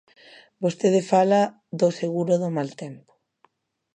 Vostede fala do seguro do mal tempo.